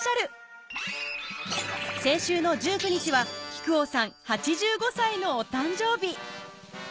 先週の１９日は木久扇さん８５歳のお誕生日